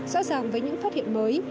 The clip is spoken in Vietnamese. rõ ràng với những phát hiện mới